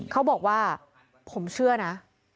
เขาบอกว่าผมเชื่อนะ